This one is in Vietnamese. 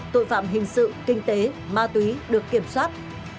tội phạm hình sự kinh tế ma túy được kiểm soát